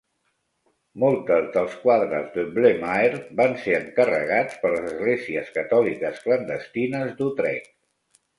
Moltes dels quadres de Bloemaert van ser encarregats per les esglésies catòliques clandestines d'Utrecht.